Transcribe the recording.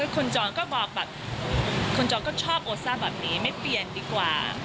คนจอล์ก็ชอบโอซ่าแบบนี้ไม่เปลี่ยนดีกว่า